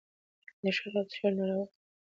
د شرابو څېښل ناروا کار دئ.